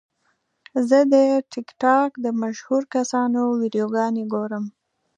زه د ټک ټاک د مشهورو کسانو ویډیوګانې ګورم.